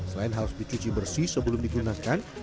selain harus dicuci bersih sebelum digunakan